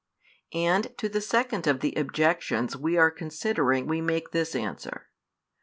|190 And to the second of the objections we are considering we make this answer.